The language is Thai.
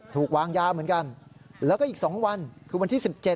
ถูกวางยาเหมือนกัน